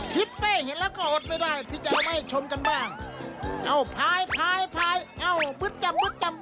เตรียมยิบค่ะ